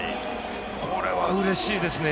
これはうれしいですね